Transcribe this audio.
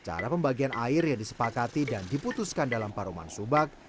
cara pembagian air yang disepakati dan diputuskan dalam paruman subak